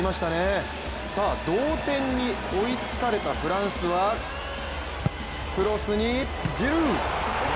同点に追いつかれたフランスは、クロスにジルー。